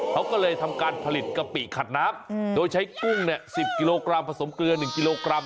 เขาก็เลยทำการผลิตกะปิขัดน้ำโดยใช้กุ้ง๑๐กิโลกรัมผสมเกลือ๑กิโลกรัม